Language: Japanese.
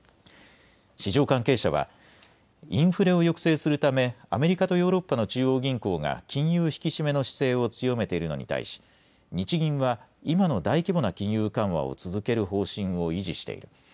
市場関係者は、インフレを抑制するためアメリカとヨーロッパの中央銀行が金融引き締めの姿勢を強めているのに対し日銀は今の大規模な金融緩和を続ける方針を維持している。